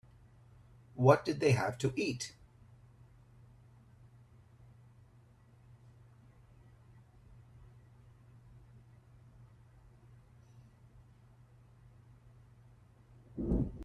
What did they have to eat?